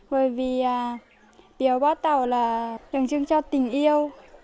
bởi vì piêu bó tàu là tưởng trưng cho tình yêu